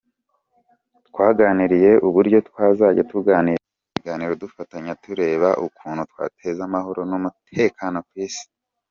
Twaganiriye uburyo twazajya tugirana ibiganiro, dufatanya tureba ukuntu twateza amahoro n’umutekano ku Isi.